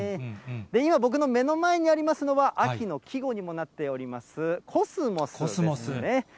今、僕の目の前にありますのは、秋の季語にもなっております、コスモスですね。